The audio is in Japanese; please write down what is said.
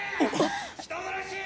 人殺し！